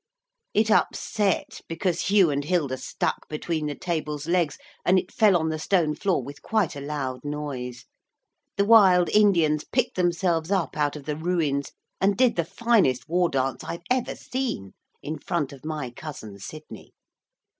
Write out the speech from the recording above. It upset, because Hugh and Hilda stuck between the table's legs, and it fell on the stone floor with quite a loud noise. The wild Indians picked themselves up out of the ruins and did the finest war dance I've ever seen in front of my cousin Sidney.